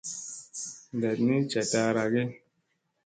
Ndak ni ca ta ara ge.